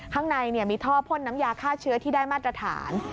ข้างในมีท่อพ่นน้ำยาฆ่าเชื้อที่ได้มาตรฐาน